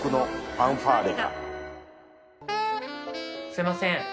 すいません。